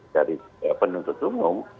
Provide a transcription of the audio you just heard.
dari penuntut umum